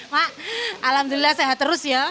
mak alhamdulillah sehat terus ya